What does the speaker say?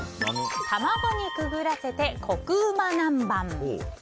卵にくぐらせてコクうま南蛮。